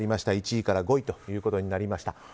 １位から５位ということになりました。